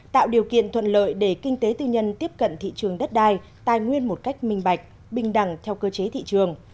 tạo điều kiện thuận lợi để kinh tế tư nhân tiếp cận thị trường đất đai tài nguyên một cách minh bạch bình đẳng theo cơ chế thị trường